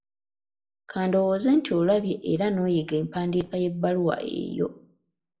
Ka ndowooze nti olabye era n'oyiga empandiika y'ebbaluwa eyo.